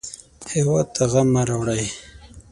هېواد ته غم مه راوړئ